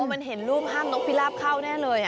มันเห็นรูปห้ามนกพิราบเข้าแน่เลย